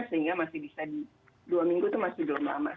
sehingga masih bisa di dua minggu itu masih belum lama